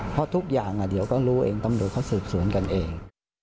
เพราะทุกอย่างเดี๋ยวก็รู้เองต้องโดยเขาสูญกันเอง